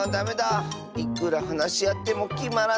いくらはなしあってもきまらないッス。